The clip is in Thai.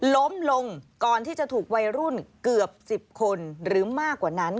ล้มลงก่อนที่จะถูกวัยรุ่นเกือบ๑๐คนหรือมากกว่านั้น